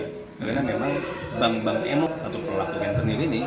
karena memang bank bank emok atau perlaku rentenir ini